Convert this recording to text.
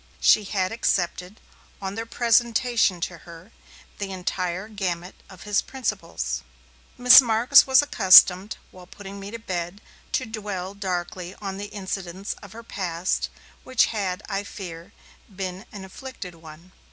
She had accepted, on their presentation to her, the entire gamut of his principles. Miss Marks was accustomed, while putting me to bed, to dwell darkly on the incidents of her past, which had, I fear, been an afflicted one.